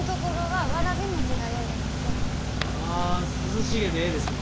ああ涼しげでええですね。